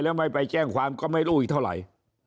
แล้วไม่ไปแจ้งความก็ไม่รู้อีกเท่าไหร่